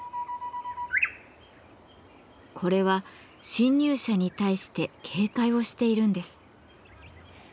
これは侵入者に対して警戒をしているんです。